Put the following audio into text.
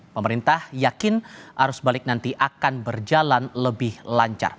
pemerintah yakin arus balik nanti akan berjalan lebih lancar